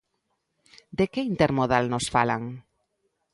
¿De que intermodal nos falan?